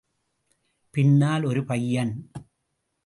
பின்னால் ஒரு பையன்.